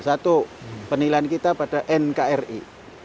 satu penilaian kita pada nkri